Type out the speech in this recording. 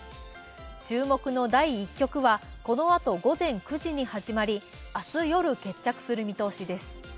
注目の第１局はこのあと、午前９時に始まり、明日夜、決着する見通しです。